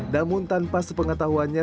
namun tanpa sepengetahuannya